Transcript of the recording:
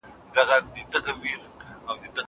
زه کولای سم سپينکۍ پرېولم!!